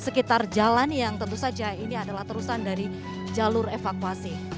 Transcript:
sekitar jalan yang tentu saja ini adalah terusan dari jalur evakuasi